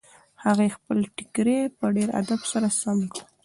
هغې خپل ټیکری په ډېر ادب سره سم کړ.